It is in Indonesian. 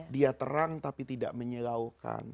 dia terang tapi tidak menyelaukan